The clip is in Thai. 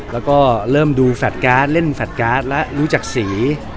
แล้วก็เริ่มดูแฟลตการ์ดเล่นแฟลตการ์ดและรู้จักสี